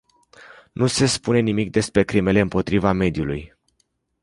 Nu se spune nimic despre crimele împotriva mediului.